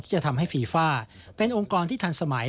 จะทำให้ฟีฟ่าเป็นองค์กรที่ทันสมัย